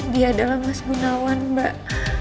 dia adalah mas gunawan mbak